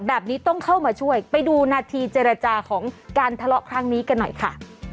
แบบนี้ต้องเข้ามาช่วยไปดูนาทีเจรจาของการทะเลาะครั้งนี้กันหน่อยค่ะ